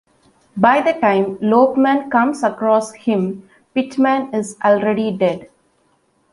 By the time Lopeman comes across him, Pitman is already dead.